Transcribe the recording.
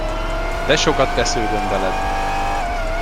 De sokat vesződöm veled!